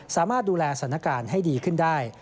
สามารถดูแลสถานการณ์ให้ดีขึ้นได้